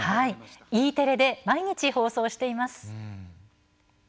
Ｅテレで毎日放送しています。